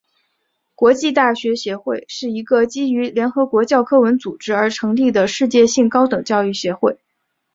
国际大学协会是一个基于联合国教科文组织而成立的世界性高等教育协会。